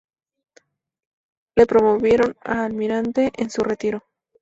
Le promovieron a almirante en su retiro.